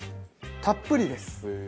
たっぷりです。